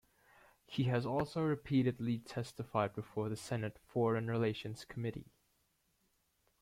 He has also repeatedly testified before the Senate Foreign Relations Committee.